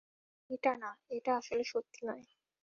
এটা না-- এটা আসলে সত্যি নয়।